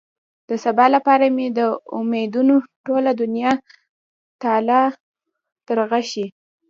د سبا لپاره مې د امېدونو ټوله دنيا تالا ترغه شي.